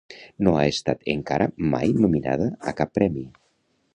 No ha estat encara mai nominada a cap premi.